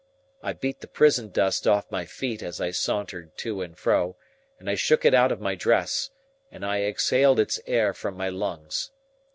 I beat the prison dust off my feet as I sauntered to and fro, and I shook it out of my dress, and I exhaled its air from my lungs.